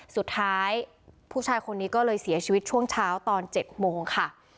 สุดท้ายผู้ชายคนนี้ก็เลยเสียชีวิตช่วงเช้าตอน๗โมงค่ะ